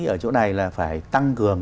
ở chỗ này là phải tăng cường